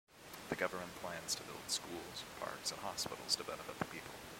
The government plans to build schools, parks, and hospitals to benefit the people.